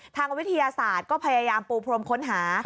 ทางวิทยาศาสตร์ก็พยายามปูพรมค้นหา